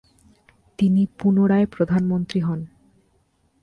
তিনি পুনরায় প্রধানমন্ত্রী হন।